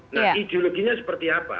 nah ideologinya seperti apa